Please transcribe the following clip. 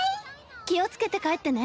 気をつけて帰ってね。